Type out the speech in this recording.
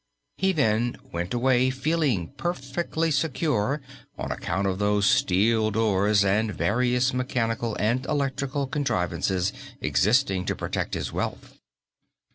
He then went away feeling perfectly secure on account of those steel doors and various mechanical and electrical contrivances existing to protect his wealth.